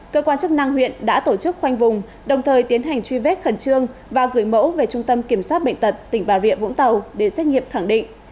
cơ quan chức năng huyện đã tổ chức khoanh vùng đồng thời tiến hành truy vết khẩn trương và gửi mẫu về trung tâm kiểm soát bệnh tật tỉnh bà rịa vũng tàu để xét nghiệm khẳng định